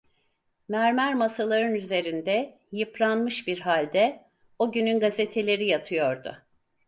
Mermer masaların üzerinde, yıpranmış bir halde, o günün gazeteleri yatıyordu.